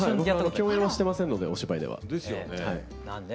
共演はしてませんのでお芝居では。ですよね。